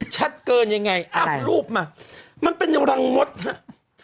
ชัดเกินอย่างไรอับรูปมามันเป็นรังมดนะครับอะไร